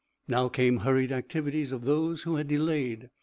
Now came hurried activities of those who had delayed.